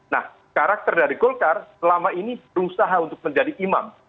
nah karakter dari golkar selama ini berusaha untuk menjadi imam